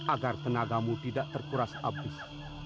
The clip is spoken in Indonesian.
agar tenagamu tidak terkuras habis